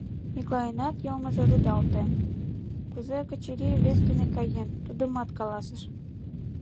Миклайынат йылмыже рудалте, кузе Качырий весе дене каен — тудымат каласыш.